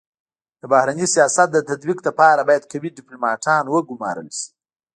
د بهرني سیاست د تطبیق لپاره بايد قوي ډيپلوماتان و ګمارل سي.